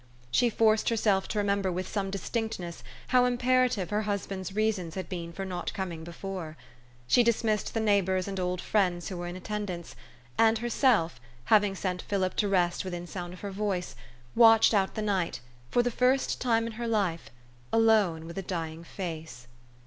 She forced herself to remember with some distinctness how imperative her husband's reasons had been for not coming be fore. She dismissed the neighbors and old friends who were in attendance, and herself, having sent 264 THE STORY OF AVIS. Philip to rest within sound of her voice, watched out the night for the first time in her life alone with a dying face.